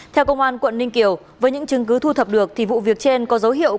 theo công an quận ninh kiều với những chứng cứ thu thập được thì vụ việc trên có dấu hiệu